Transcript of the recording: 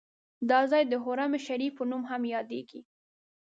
دا ځای د حرم شریف په نوم هم یادیږي.